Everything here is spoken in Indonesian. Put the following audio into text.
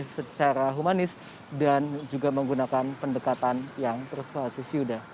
jadi kita ingin menghasilkan kemudian pengunjung yang sudah menggunakan perusahaan ini